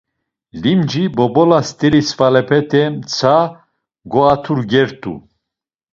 Limci, bobola st̆eri svalepete mtsa goaturgert̆u.